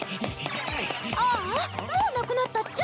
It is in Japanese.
ああもうなくなったっちゃ。